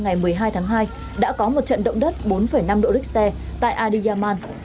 ngày một mươi hai tháng hai đã có một trận động đất bốn năm độ richter tại adiyaman